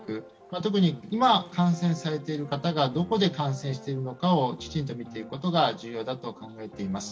特に今、感染されている方がどこで感染しているのかをきちんと見ていくことが重要だと考えています。